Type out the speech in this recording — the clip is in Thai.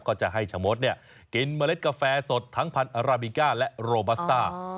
ก็จะให้ชะมดกินเมล็ดกาแฟสดทั้งพันธราบิก้าและโรบัสต้า